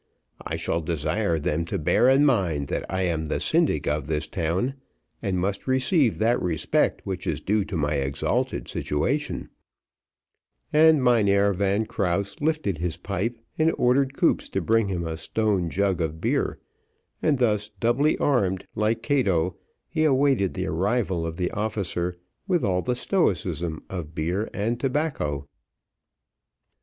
I shall desire them to bear in mind that I am the syndic of this town, and must receive that respect which is due to my exalted situation," and Mynheer Van Krause lifted his pipe and ordered Koop to bring him a stone jug of beer, and thus doubly armed like Cato, he awaited the arrival of the officer with all the stoicism of beer and tobacco.